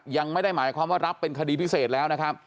ยังไม่ได้หมายความว่ารับเป็นคดีพิเศษแล้วนะครับ